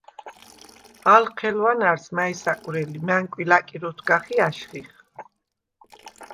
ალ ჴელუ̂ანა̈რს, მა̈ჲ საკუ̂რელ ლი, მა̈ნკუ̂ი ლა̈კირ ოთგახ ი ა̈შხიხ.